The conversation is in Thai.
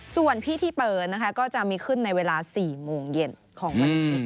ส่วนพี่ที่เปิร์นนะคะก็จะมีขึ้นในเวลา๔โมงเย็นของเมื่อกี้